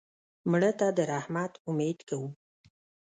مړه ته د رحمت امید کوو